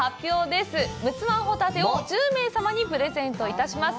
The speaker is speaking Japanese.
「陸奥湾ホタテ」を１０名様にプレゼントいたします。